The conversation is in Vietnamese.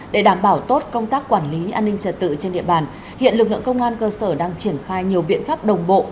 để đảm bảo tốt công tác quản lý an ninh trật tự trên địa bàn hiện lực lượng công an cơ sở đang triển khai nhiều biện pháp đồng bộ